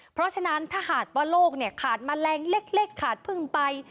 เพราะฉะนั้นถ้าหากว่าโลกขาดแมลงเล็กขาดพึ่งไป